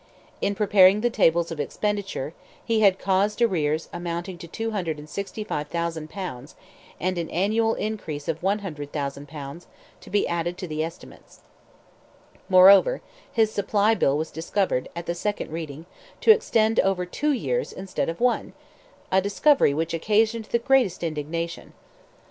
In preparing the tables of expenditure, he had caused arrears amounting to 265,000 pounds, and an annual increase of 100,000 pounds, to be added to the estimates. Moreover, his supply bill was discovered, at the second reading, to extend over two years instead of one—a discovery which occasioned the greatest indignation.